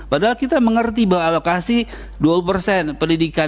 padahal kita mengerti bahwa alokasi dua puluh pendidikan itu benar benar untuk menjaga kesehatan